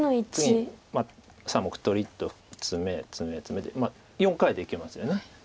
次に３目取りとツメツメツメで４回でいけますよね。